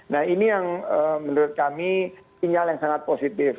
nah ini yang menurut kami sinyal yang sangat positif